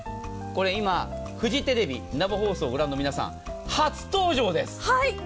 今、フジテレビ生放送をご覧の皆さん初登場です。